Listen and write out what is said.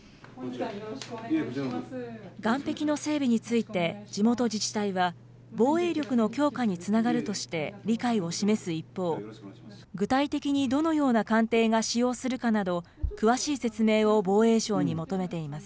岸壁の整備について地元自治体は、防衛力の強化につながるとして、理解を示す一方、具体的にどのような艦艇が使用するかなど、詳しい説明を防衛省に求めています。